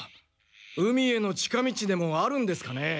海への近道でもあるんですかねえ？